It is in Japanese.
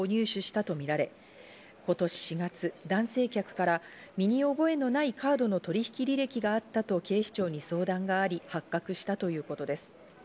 衣笠容疑者は携帯電話の契約の際に客からカード情報を入手したとみられ、今年４月、男性客から身に覚えのないカードの取引履歴があったと警視庁に相談があり発覚したということです。